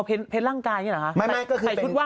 เป็นร่างกายนี่หรอคะ